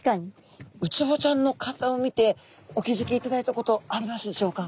ウツボちゃんの体を見てお気付きいただいたことありますでしょうか？